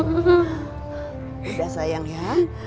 udah sayang ya